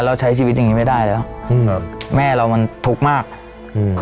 เราใช้ชีวิตอย่างงี้ไม่ได้แล้วอืมครับแม่เรามันทุกข์มากอืม